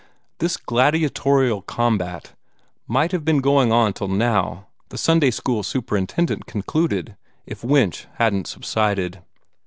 This gladiatorial combat might have been going on till now, the Sunday school superintendent concluded, if Winch hadn't subsided.